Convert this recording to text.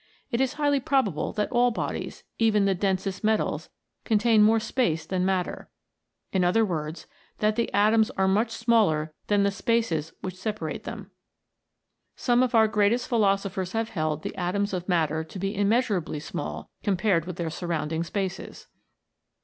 It is highly probable that all bodies, even the densest metals, contain more space than matter in other words, that the atoms are much smaller than the spaces which separate them. Some of our greatest philosophers have held the atoms of matter to be immeasurably small, compared with their surrounding spaces.